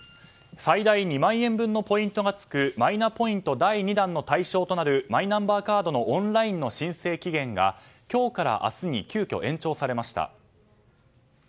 最大２万円分のポイントがつくマイナポイント第２弾の対象となるマイナンバーカードのオンラインの申請期限が今日から明日に急きょ延長されました。